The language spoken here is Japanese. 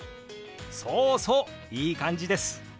そうそういい感じです！